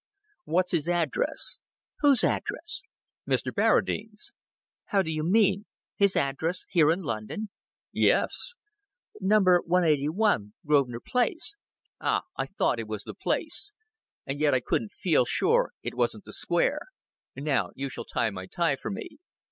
What's his address?" "Whose address?" "Mr. Barradine's." "How do you mean? His address here, in London?" Yes." "Number 181, Grosvenor Place." "Ah, I thought it was the Place and yet I couldn't feel sure it wasn't the Square. Now you shall tie my tie for me."